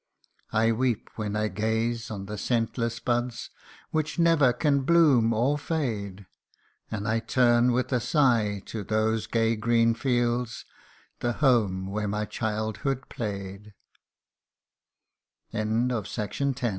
I weep when I gaze on the scentless buds Which never can bloom or fade ; And I turn with a sigh to those gay green fields The home where my childhood